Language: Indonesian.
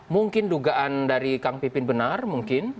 mungkin dugaan dari kang pipin benar mungkin